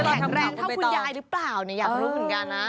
แข็งแรงเท่าคุณยายหรือเปล่าเนี่ยอยากรู้เหมือนกันนะ